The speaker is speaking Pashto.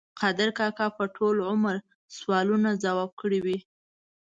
قادر کاکا په ټول عمر سوالونه ځواب کړي وو.